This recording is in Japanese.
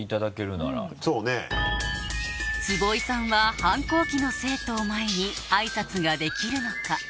坪井さんは反抗期の生徒を前にあいさつができるのか？